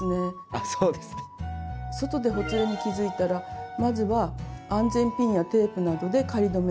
あそうですね。外でほつれに気付いたらまずは安全ピンやテープなどで仮留めして応急処置！